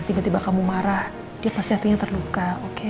tiba tiba kamu marah dia pasti hatinya terluka